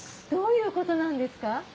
どういうことなんですか？